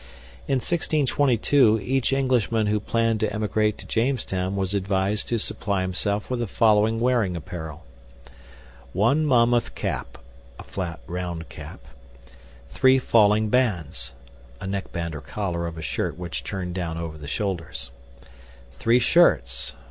In 1622 each Englishman who planned to emigrate to Jamestown was advised to supply himself with the following wearing apparel: "One Monmouth cap [a flat, round cap]. Three falling bands [a neckband or collar of a shirt which turned down over the shoulders]. Three shirts.